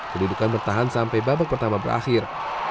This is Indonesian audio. kedudukan bertahan sampai babak pertama berakhir